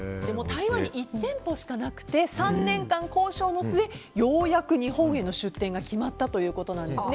台湾に１店舗しかなくて３年間交渉の末ようやく日本への出店が決まったということなんです。